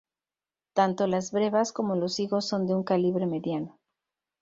Tanto las brevas como los higos son de un calibre mediano.